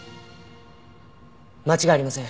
間違いありません。